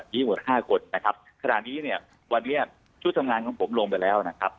มีหมดห้าคนนะครับขณะนี้เนี่ยวันนี้ชุดทำงานของผมลงไปแล้วนะครับ